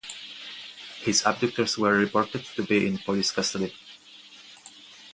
His abductors were reported to be in police custody.